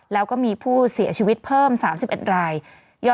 แล้วก็มีผู้เสียชีวิตเพิ่ม๓๑ราย